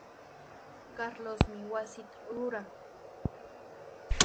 Carlosmi wasita rurarqun.